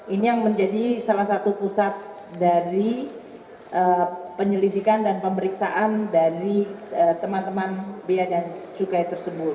ini yang menjadi salah satu pusat dari penyelidikan dan pemeriksaan dari teman teman biaya dan cukai tersebut